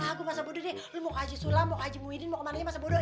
ah gua masa bodoh deh lu mau ke aji sulam mau ke aji muhyiddin mau ke mananya masa bodoh